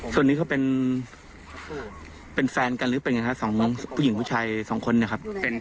ส่วนนี้เขาเป็นแฟนกันหรือเป็นใยละครับ๒ผู้ชาย๒แฟน